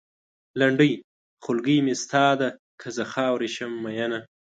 لنډۍ؛ خولګۍ مې ستا ده؛ که زه خاورې شم مينه